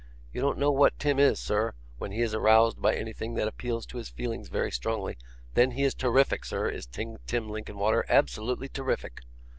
You don't know what Tim is, sir, when he is aroused by anything that appeals to his feelings very strongly; then he is terrific, sir, is Tim Linkinwater, absolutely terrific.